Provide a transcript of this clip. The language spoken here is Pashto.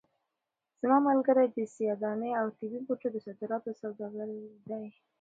زما ملګری د سیاه دانې او طبي بوټو د صادراتو سوداګر دی.